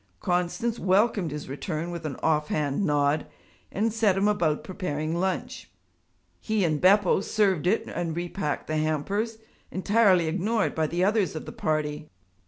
Constance welcomed his return with an off hand nod and set him about preparing lunch. He and Beppo served it and repacked the hampers, entirely ignored by the others of the party.